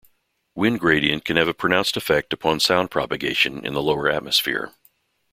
Wind gradient can have a pronounced effect upon sound propagation in the lower atmosphere.